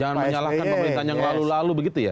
jangan menyalahkan pemerintahan yang lalu lalu begitu ya